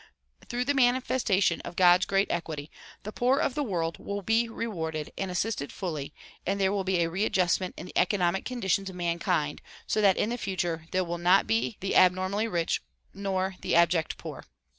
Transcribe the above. Through the manifestation of God's great equity the poor of the world will be rewarded and assisted fully and there will be a readjustment in the economic con ditions of mankind so that in the future there will not be the ab normally rich nor the abject poor.